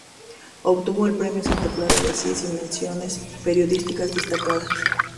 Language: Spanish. Obtuvo el premio Santa Clara de Asís y menciones periodísticas destacadas.